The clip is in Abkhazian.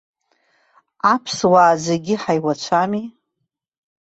Аԥсуаа зегьы ҳаиуацәами?